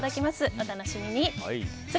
お楽しみに！